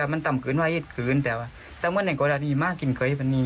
มันซุ่มมันเศร้ามันไม่ค่อยกิน